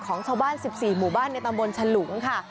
ของชาวบ้าน๑๔หมู่บ้านในตำบลฉลุงค่ะ